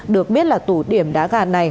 được biết là tủ điểm đá gà này